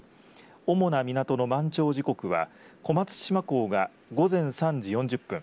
主な港の満潮時刻は小松島港が午前３時４０分